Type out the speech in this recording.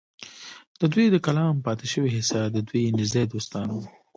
د دوي د کلام پاتې شوې حصه د دوي نزدې دوستانو